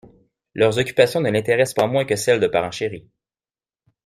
Leurs occupations ne l'intéressent pas moins que celles de parents chéris.